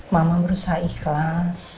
mama berusaha ikhlas